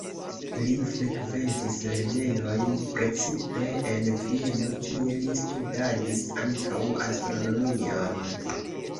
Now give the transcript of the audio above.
Li frekventis lernejojn precipe en Vieno, kie li studadis ankaŭ astronomion.